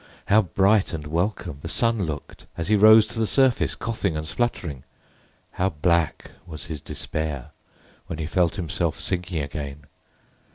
How bright and welcome the sun looked as he rose to the surface coughing and spluttering! How black was his despair when he felt himself sinking again!